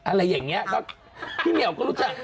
อะไรอย่างนี้ก็พี่เหมียวก็รู้จัก